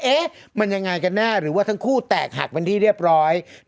เอ๊ะมันยังไงกันแน่หรือว่าทั้งคู่แตกหักเป็นที่เรียบร้อย